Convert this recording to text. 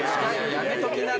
やめときなって。